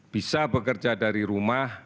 bisa bekerja dari rumah